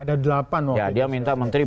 ada delapan waktunya ya dia minta menteri